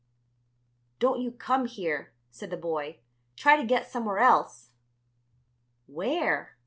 "Don't you come here," said the boy, "Try to get somewhere else." "Where?"